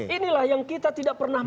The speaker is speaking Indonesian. inilah yang kita tidak pernah